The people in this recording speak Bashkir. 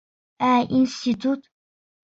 Ә институт?